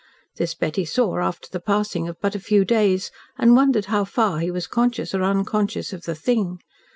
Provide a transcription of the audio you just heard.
This Betty saw after the passing of but a few days, and wondered how far he was conscious or unconscious of the thing.